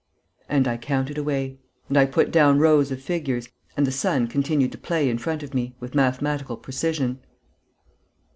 And I counted away.... And I put down rows of figures.... And the sun continued to play in front of me, with mathematical precision.